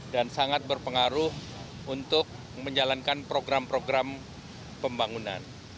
dan sangat berpengaruh untuk menjalankan program program pembangunan